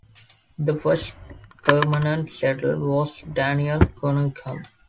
The first permanent settler was Daniel Cunningham.